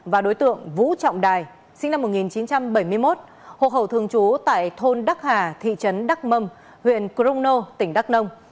và đối tượng vũ trọng đài sinh năm một nghìn chín trăm bảy mươi một hộ khẩu thường trú tại thôn đắc hà thị trấn đắc mâm huyện crono tỉnh đắk nông